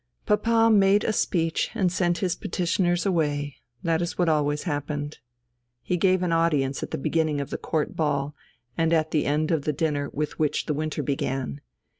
Papa made a speech and sent his petitioners away; that is what always happened. He gave an audience at the beginning of the Court ball, and at the end of the dinner with which the winter began.